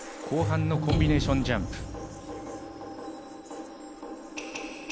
後半のコンビネーションジャンプ。